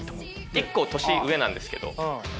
１個年上なんですけど。